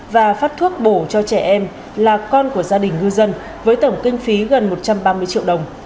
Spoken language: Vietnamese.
và phát thuốc bổ cho trẻ em là con của gia đình ngư dân với tổng kinh phí gần một trăm ba mươi triệu đồng